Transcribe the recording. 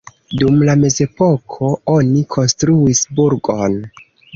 Dum la mezepoko oni konstruis burgon.